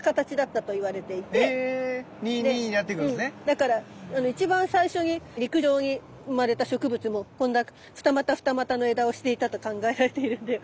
だから一番最初に陸上に生まれた植物もこんな二股二股の枝をしていたと考えられているんで。